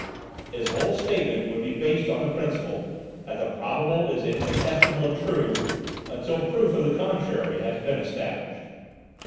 His whole statement would be based on the principle that the probable is incontestable and true, until proof of the contrary has been established.